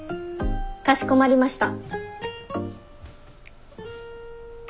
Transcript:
かしこまりました。